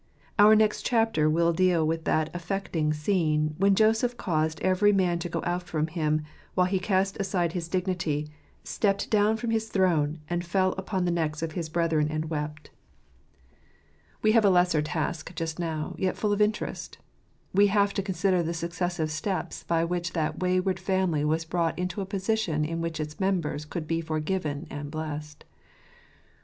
Our next chapter will deal with that affecting scene* when Joseph caused every man to go out from him, while he cast aside his dignity, stepped down from his throne, and 1 fell upon the necks of his brethren and wept. We have ai 94 fcrseplj's jfeamfr &ttterfrfeta toitij gndfrrett. lesser task just now, yet full of interest ; we have to con sider the successive steps by which that wayward family was brought into a position in which its members could be forgiven and blessed.